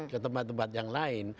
ke tempat tempat yang lain